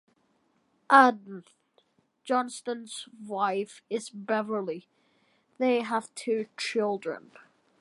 Adm. Johnston's wife is Beverly, they have two children.